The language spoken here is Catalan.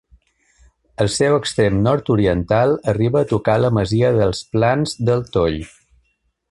El seu extrem nord-oriental arriba a tocar la masia dels Plans del Toll.